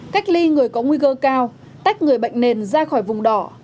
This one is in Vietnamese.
cách ly người có nguy cơ cao tách người bệnh nền ra khỏi vùng đỏ